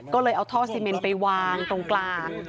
ก็เลยเอาท่อซีเมนไปวางตรงกลาง